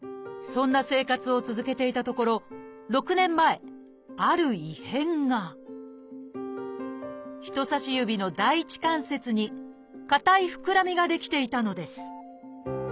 そんな生活を続けていたところ６年前ある異変が人さし指の第一関節に硬い膨らみが出来ていたのです。